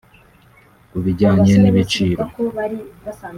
Ku bijyanye n’ibiciro